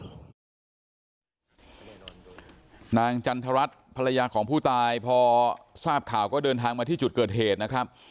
นางจันทรัศน์ภรรยาของผู้ตายพอทราบข่าวก็เดินทางมาที่จุดเกิดเหตุนะครับ